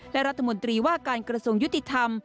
และรัฐมนตรีว่าการกระทรวงยุติธรรม